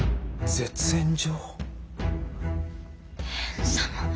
ぜ絶縁状！？